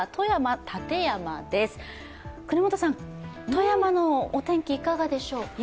富山のお天気、いかがでしょう。